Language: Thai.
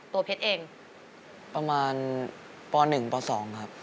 ตัวเพชรเองประมาณปหนึ่งปสองครับ